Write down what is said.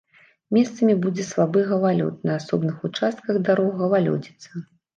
Месцамі будзе слабы галалёд, на асобных участках дарог галалёдзіца.